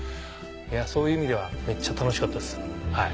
そういう意味ではめっちゃ楽しかったですはい。